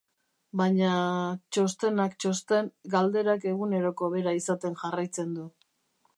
Baina, txostenak txosten, galderak eguneroko bera izaten jarraitzen du.